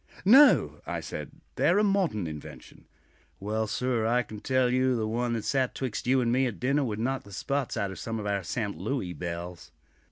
"No," I said; "they are a modern invention." "Well, sir, I can tell you the one that sat 'twixt you and me at dinner would knock the spots out of some of our 'Sent' Louis belles."